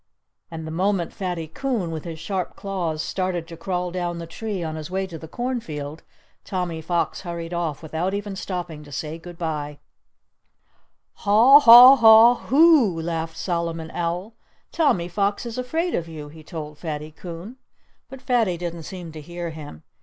And the moment Fatty Coon, with his sharp claws, started to crawl down the tree on his way to the cornfield, Tommy Fox hurried off without even stopping to say good bye. "Haw haw haw hoo!" laughed Solomon Owl. "Tommy Fox is afraid of you!" he told Fatty Coon. But Fatty didn't seem to hear him.